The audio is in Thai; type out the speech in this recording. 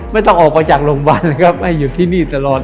ไม่ต้องออกมาจากโรงพยาบาลครับให้อยู่ที่นี่ตลอด